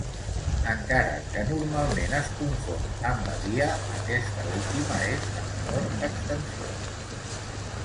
Encara que normalment es confon amb badia, aquesta última és de menor extensió.